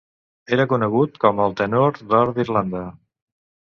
Era conegut com "el tenor d'or d'Irlanda".